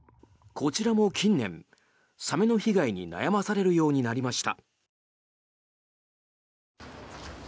こちらも近年、サメの被害に悩まされるようになりました。